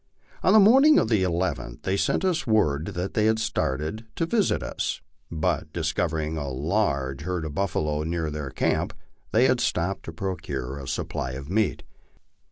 On the morning of the llth they sent us word that they had started to visit us, but discovering a large herd of buffalo near their camp, they had stopped to procure a supply of meat.